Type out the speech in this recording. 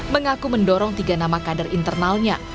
mengaku mendorong tiga nama kader internalnya